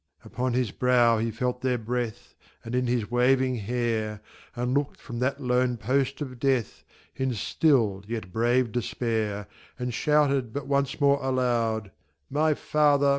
Upon his brow he felt their breath, And in his waving hair; And looked from that lone post of death In still, yet brave despair. And shouted but once more aloud "My father!